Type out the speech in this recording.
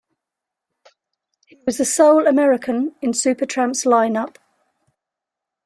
He was the sole American in Supertramp's lineup.